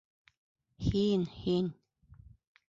Һин, һин...